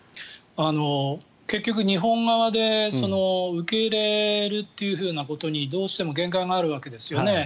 結局日本側で受け入れるということにどうしても限界があるわけです。